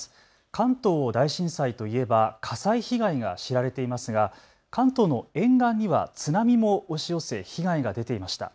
関東大震災といえば火災被害が知られていますが関東の沿岸には津波も押し寄せ被害が出ていました。